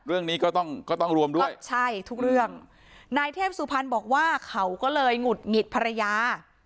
เรื่องนี้ก็ต้องก็ต้องรวมด้วยใช่ทุกเรื่องนายเทพสุพรรณบอกว่าเขาก็เลยหงุดหงิดภรรยา